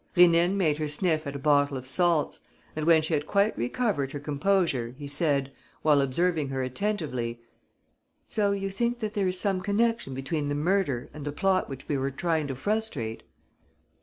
Rénine made her sniff at a bottle of salts; and when she had quite recovered her composure, he said, while observing her attentively: "So you think that there is some connection between the murder and the plot which we were trying to frustrate?"